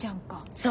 そう。